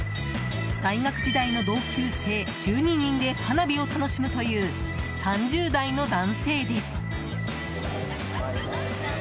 大学時代の同級生１２人で花火を楽しむという３０代の男性です。